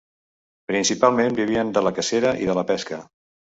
Principalment vivien de la cacera i de la pesca.